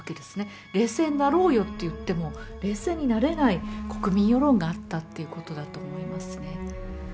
冷静になろうよと言っても冷静になれない国民世論があったっていうことだと思いますね。